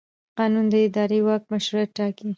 قانون د اداري واک مشروعیت ټاکي.